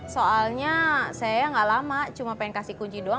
soalnya saya gak lama cuma pengen kasih kunci doang